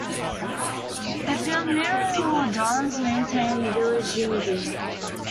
The familial dons maintain village unity.